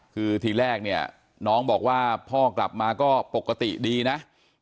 คือทีแรกเนี่ยน้องบอกว่าพ่อกลับมาก็ปกติดีนะ